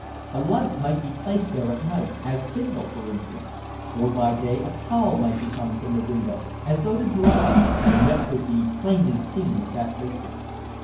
A light might be placed there at night as signal, for instance; or by day a towel might be hung from the window as though to dry and yet could be plainly seen at that distance.